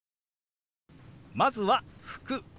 まずは「服」。